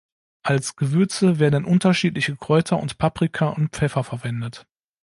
Als Gewürze werden unterschiedliche Kräuter und Paprika und Pfeffer verwendet.